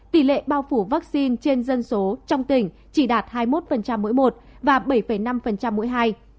tỷ lệ bao phủ vaccine trên dân số trong tỉnh chỉ đạt hai mươi một mỗi một và bảy năm mỗi hai